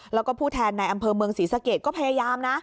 แล้วก็ผู้แทนในอำเภอเมืองศรีสะเกดก็พยายามนะ